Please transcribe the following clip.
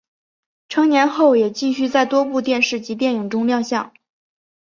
成年后也继续在多部电视及电影中亮相。